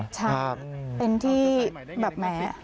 ใช่เป็นที่แบบแม้